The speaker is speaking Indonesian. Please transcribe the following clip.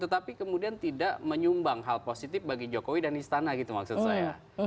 tetapi kemudian tidak menyumbang hal positif bagi jokowi dan istana gitu maksud saya